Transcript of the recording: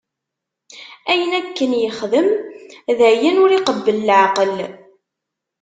Ayen akken yexdem, d ayen ur iqebbel leɛqel.